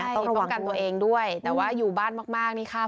ต้องป้องกันตัวเองด้วยแต่ว่าอยู่บ้านมากนี่ค่ะ